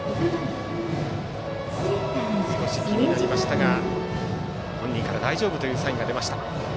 少し気になりましたが本人から大丈夫というサインが出ました。